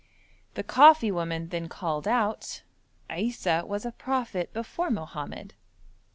The coffee woman then called out, 'Issa was a prophet before Mohammed.'